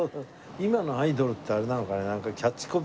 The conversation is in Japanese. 今のアイドルってあれなのかね？